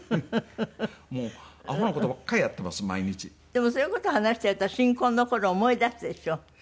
でもそういう事話してると新婚の頃思い出すでしょ？